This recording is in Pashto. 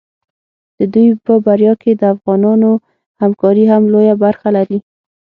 د دوی په بریا کې د افغانانو همکاري هم لویه برخه لري.